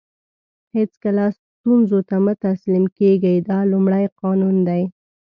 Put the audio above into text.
هیڅکله ستونزو ته مه تسلیم کېږئ دا لومړی قانون دی.